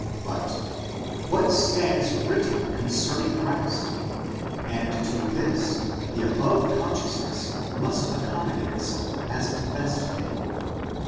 but, what stands written concerning Christ? and to this the above consciousness must accommodate itself as it best may.